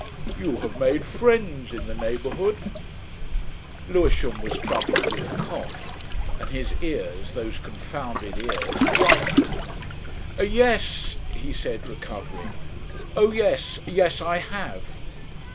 "You have made friends in the neighbourhood?" Lewisham was troubled with a cough, and his ears those confounded ears brightened, "Yes," he said, recovering, "Oh yes. Yes, I have."